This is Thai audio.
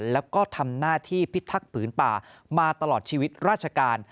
แล้วก็ทำหน้าที่พิทักษ์ผืนป่ามาตลอดชีวิตราชการ